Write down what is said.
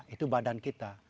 itu badan kita